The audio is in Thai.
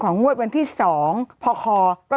ยังไม่ได้ตอบรับหรือเปล่ายังไม่ได้ตอบรับหรือเปล่า